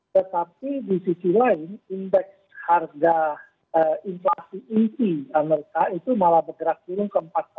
tetapi di sisi lain indeks harga inflasi inti amerika itu malah bergerak turun ke empat